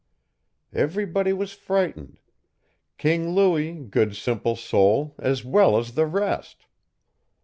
Everybody was frightened King Louis, good simple soul! as well as the rest.